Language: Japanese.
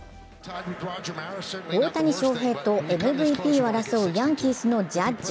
大谷翔平とＭＶＰを争うヤンキースのジャッジ。